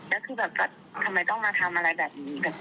แล้วคือแบบทำไมต้องมาทำอะไรแบบนี้